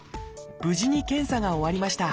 無事に検査が終わりました。